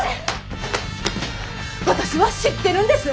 私は知ってるんです！